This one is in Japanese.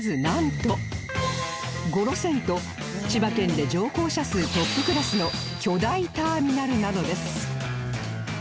なんと５路線と千葉県で乗降者数トップクラスの巨大ターミナルなのです